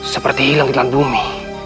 seperti hilang di dalam bumi